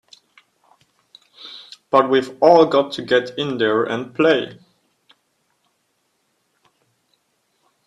But we've all got to get in there and play!